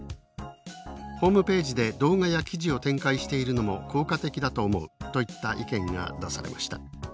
ホームページで動画や記事を展開しているのも効果的だと思う」といった意見が出されました。